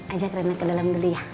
ajak rina ke dalam dulu ya